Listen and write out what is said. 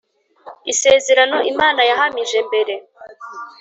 Isezerano imana yahamije mbere